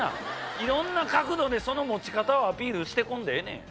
いろんな角度でその持ち方をアピールしてこんでええねん。